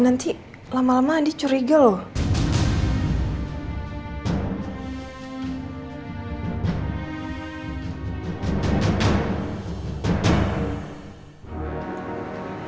nanti lama lama andi curiga loh